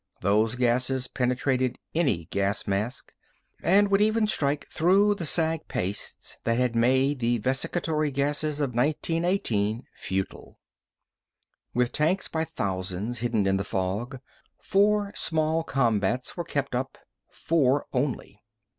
Those gases penetrated any gas mask, and would even strike through the sag pastes that had made the vesicatory gases of 1918 futile. With tanks by thousands hidden in the fog, four small combats were kept up, four only.